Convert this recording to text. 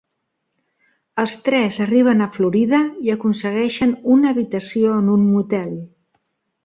Els tres arriben a Florida i aconsegueixen una habitació en un motel.